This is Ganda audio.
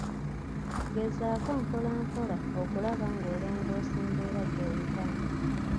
Gezaako mpolampola okulaba ng’olongosa embeera gyoyitamu.